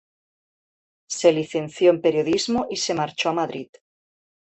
Se licenció en Periodismo y se marchó a Madrid.